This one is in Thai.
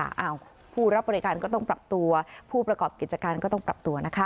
อ้าวผู้รับบริการก็ต้องปรับตัวผู้ประกอบกิจการก็ต้องปรับตัวนะคะ